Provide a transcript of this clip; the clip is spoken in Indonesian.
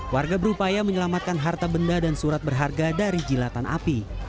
warga berupaya menyelamatkan harta benda dan surat berharga dari jilatan api